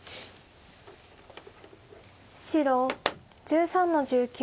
白１３の十九。